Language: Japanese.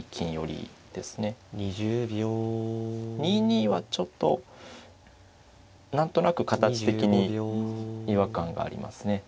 ２二はちょっと何となく形的に違和感がありますね。